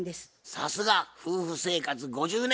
さすが夫婦生活５０年！